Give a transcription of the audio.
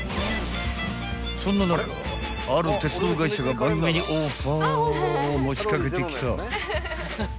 ［そんな中ある鉄道会社が番組にオファーを持ち掛けてきた］